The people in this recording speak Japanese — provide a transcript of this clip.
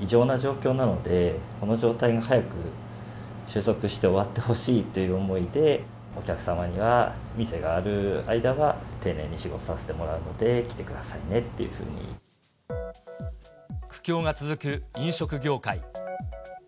異常な状況なので、この状態が早く収束して終わってほしいという思いで、お客様には店がある間は、丁寧に仕事をさせてもらうので、来てく苦境が続く飲食業界。